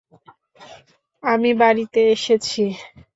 আমি বাড়িতে এসেছি।